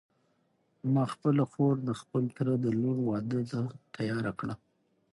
ما خپله خور د خپل تره د لور واده ته تیاره کړه.